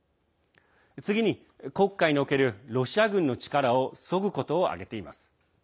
次に黒海におけるロシア軍の力をそぐことを挙げています。